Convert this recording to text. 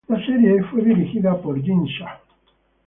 La serie fue dirigida por Jin Sha.